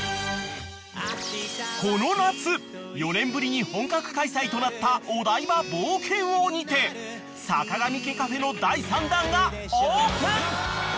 ［この夏４年ぶりに本格開催となったお台場冒険王にてさかがみ家カフェの第３弾がオープン！］